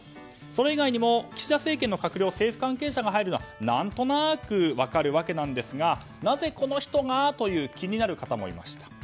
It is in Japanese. それ以外にも岸田政権の閣僚政府関係者が入るのは何となく分かる気はするんですがなぜこの人がという気になる方もいました。